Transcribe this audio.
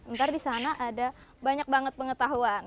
ntar disana ada banyak banget pengetahuan